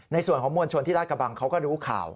ในส่วนของมวลชวนที่รัฐกระบังเขาก็รู้ข่าว